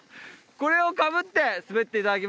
これをかぶって滑っていただきます。